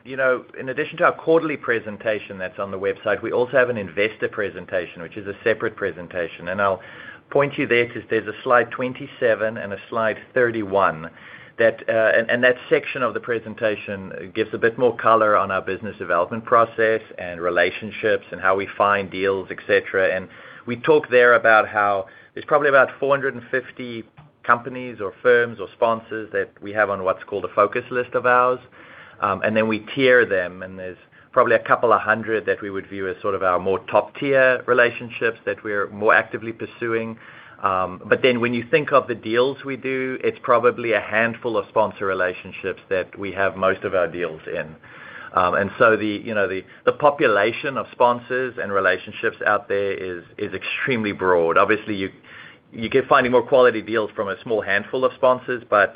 you know, in addition to our quarterly presentation that's on the website, we also have an investor presentation, which is a separate presentation. I'll point you there to there's a slide 27 and a slide 31 that. That section of the presentation gives a bit more color on our business development process and relationships and how we find deals, et cetera. We talk there about how there's probably about 450 companies or firms or sponsors that we have on what's called a focus list of ours. Then we tier them. There's probably a couple of 100 that we would view as sort of our more top-tier relationships that we're more actively pursuing. When you think of the deals we do, it's probably a handful of sponsor relationships that we have most of our deals in. The population of sponsors and relationships out there is extremely broad. Obviously, you keep finding more quality deals from a small handful of sponsors, but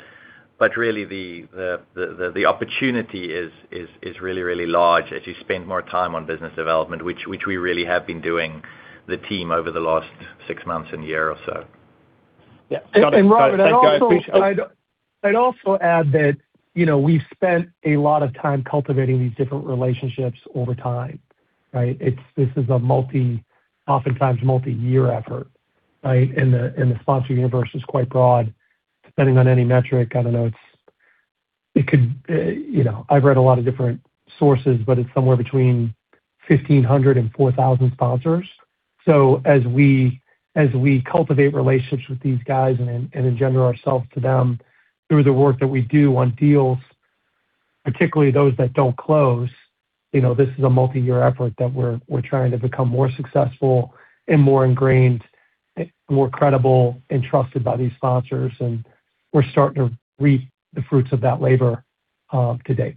really the opportunity is really large as you spend more time on business development, which we really have been doing, the team over the last six months and one year or so. Yeah. Got it. Thanks, guys. Robert, I'd also add that we've spent a lot of time cultivating these different relationships over time, right? This is a oftentimes multi-year effort, right? The sponsor universe is quite broad. Depending on any metric, I don't know, it could, I've read a lot of different sources, but it's somewhere between 1,500 and 4,000 sponsors. As we cultivate relationships with these guys and engender ourselves to them through the work that we do on deals, particularly those that don't close, this is a multi-year effort that we're trying to become more successful and more ingrained and more credible and trusted by these sponsors. We're starting to reap the fruits of that labor to date.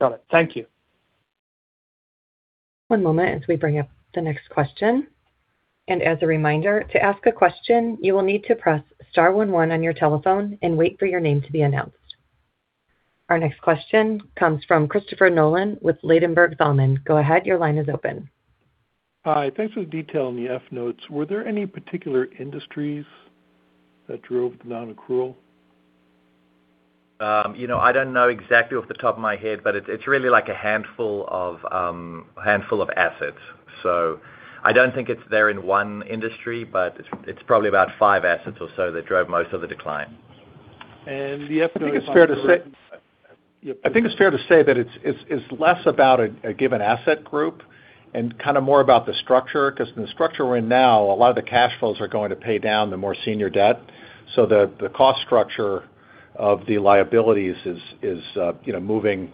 Got it. Thank you. One moment as we bring up the next question. As a reminder, to ask a question, you will need to press star one one on your telephone and wait for your name to be announced. Our next question comes from Christopher Nolan with Ladenburg Thalmann. Go ahead, your line is open. Hi. Thanks for the detail on the F-notes. Were there any particular industries that drove the non-accrual? You know, I don't know exactly off the top of my head, but it's really like a handful of assets. I don't think it's there in one industry, but it's probably about five assets or so that drove most of the decline. The F-note. I think it's fair to say. Yeah. I think it's fair to say that it's less about a given asset group and kinda more about the structure. 'Cause in the structure we're in now, a lot of the cash flows are going to pay down the more senior debt. The cost structure of the liabilities is, you know, moving.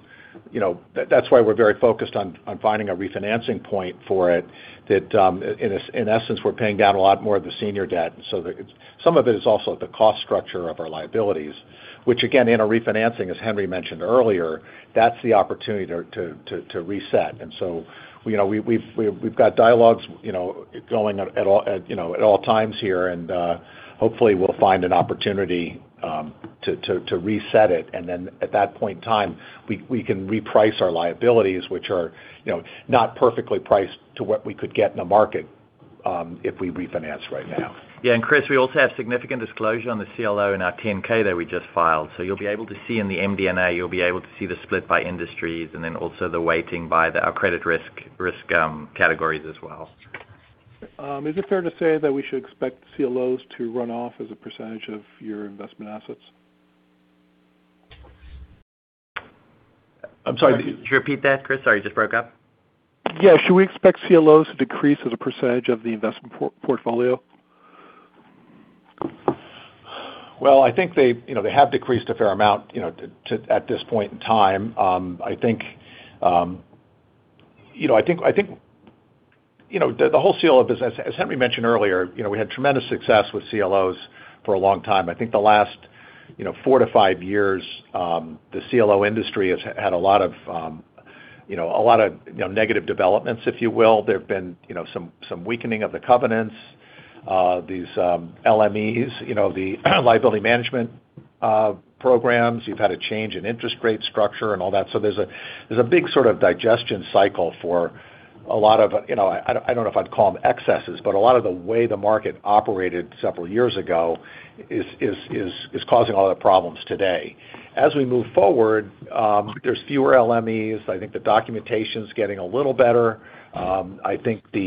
You know, that's why we're very focused on finding a refinancing point for it that, in essence, we're paying down a lot more of the senior debt. Some of it is also the cost structure of our liabilities, which again, in a refinancing, as Henri mentioned earlier, that's the opportunity to reset. You know, we've got dialogues, you know, going at all, you know, at all times here. Hopefully, we'll find an opportunity to reset it. At that point in time, we can reprice our liabilities, which are, you know, not perfectly priced to what we could get in the market if we refinance right now. Yeah. Chris, we also have significant disclosure on the CLO in our 10-K that we just filed. You'll be able to see in the MD&A, you'll be able to see the split by industries and then also the weighting by our credit risk categories as well. Is it fair to say that we should expect CLOs to run off as a percentage of your investment assets? I'm sorry. Could you repeat that, Chris? Sorry, you just broke up. Yeah. Should we expect CLOs to decrease as a % of the investment portfolio? Well, I think they, you know, they have decreased a fair amount, you know, to at this point in time. I think, you know, I think, I think, you know, the whole CLO business, as Henri mentioned earlier, you know, we had tremendous success with CLOs for a long time. I think the last, you know, four to five years, the CLO industry has had a lot of, you know, a lot of, you know, negative developments, if you will. There have been, you know, some weakening of the covenants, these, LMEs, you know, the liability management, programs. You've had a change in interest rate structure and all that. There's a, there's a big sort of digestion cycle for a lot of, you know, I don't, I don't know if I'd call them excesses, but a lot of the way the market operated several years ago is causing a lot of problems today. As we move forward, there's fewer LMEs. I think the documentation's getting a little better. I think the,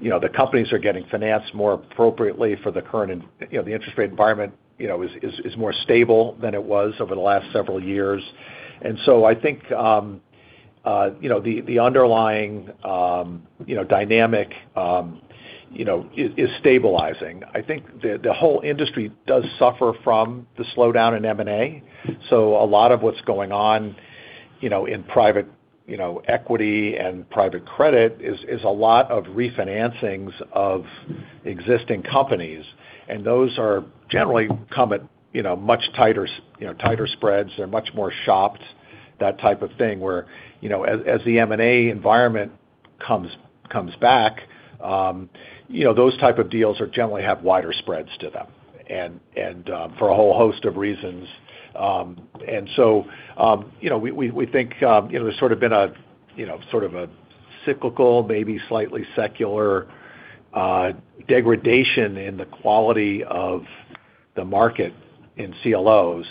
you know, the companies are getting financed more appropriately for the current, you know, the interest rate environment, you know, is more stable than it was over the last several years. I think, you know, the underlying, you know, dynamic, you know, is stabilizing. I think the whole industry does suffer from the slowdown in M&A. A lot of what's going on, you know, in private, you know, equity and private credit is a lot of refinancings of existing companies. Those are generally come at, you know, much tighter, you know, tighter spreads. They're much more shopped, that type of thing. Where, you know, as the M&A environment comes back, you know, those type of deals are generally have wider spreads to them and for a whole host of reasons. You know, we, we think, you know, there's sort of been a, you know, sort of a cyclical, maybe slightly secular, degradation in the quality of the market in CLOs.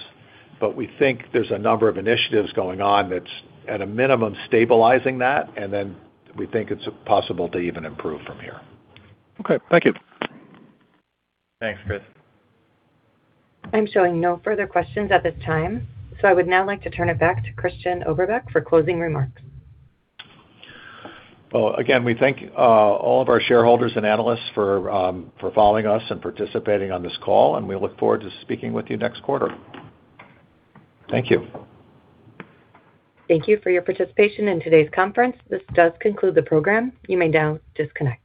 We think there's a number of initiatives going on that's, at a minimum, stabilizing that, and then we think it's possible to even improve from here. Okay. Thank you. Thanks, Chris. I'm showing no further questions at this time, so I would now like to turn it back to Christian Oberbeck for closing remarks. Well, again, we thank all of our shareholders and analysts for following us and participating on this call. We look forward to speaking with you next quarter. Thank you. Thank you for your participation in today's conference. This does conclude the program. You may now disconnect.